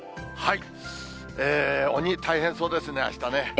鬼、大変そうですね、あしたね。